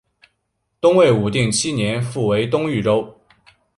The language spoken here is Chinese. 东魏武定七年复为东豫州。